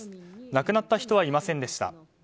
亡くなった人はいませんでした。